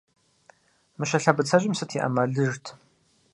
Мыщэ лъэбыцэжьым сыт и Ӏэмалыжт?